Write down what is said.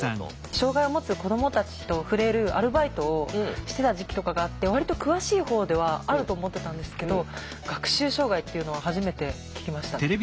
障害を持つ子どもたちと触れるアルバイトをしてた時期とかがあって割と詳しいほうではあると思ってたんですけど学習障害っていうのは初めて聞きましたね。